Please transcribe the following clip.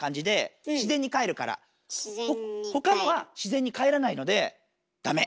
他のは自然にかえらないのでダメ。